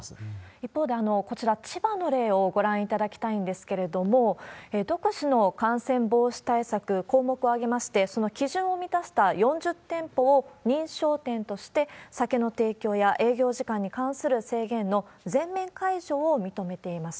一方でこちら、千葉の例をご覧いただきたいんですけれども、独自の感染防止対策、項目を挙げまして、その基準を満たした４０店舗を認証店として、酒の提供や営業時間に関する制限の全面解除を認めています。